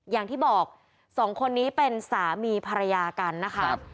อย่างที่บอกสองคนนี้เป็นสามีภรรยากันนะคะ